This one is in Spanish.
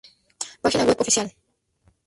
Página Web Oficial